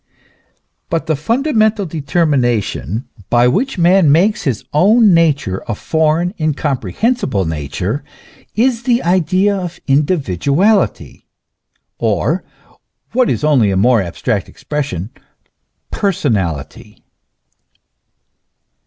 But the fundamental determination by which man makes his own nature a foreign, incomprehensible nature, is the idea of individuality or what is only a more abstract expression per sonality.